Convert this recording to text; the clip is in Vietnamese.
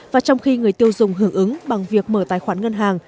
và trong khi người tiêu dùng hưởng ứng bằng việc mở tài khoản ngân hàng